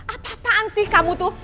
apa apaan sih kamu tuh